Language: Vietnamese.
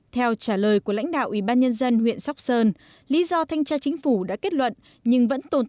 theo trả lời của lãnh đạo ủy ban nhân dân huyện sóc sơn lý do thanh tra chính phủ đã kết luận